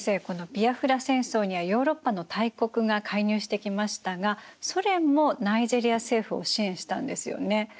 このビアフラ戦争にはヨーロッパの大国が介入してきましたがソ連もナイジェリア政府を支援したんですよね。